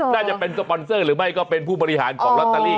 น่าจะเป็นสปอนเซอร์หรือไม่ก็เป็นผู้บริหารของลอตเตอรี่